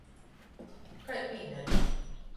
Kai pīdar.